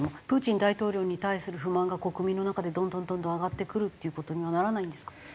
プーチン大統領に対する不満が国民の中でどんどんどんどん上がってくるっていう事にはならないんですか？